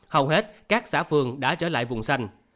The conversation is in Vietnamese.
hầu hết các xã phường đã trở lại vùng xanh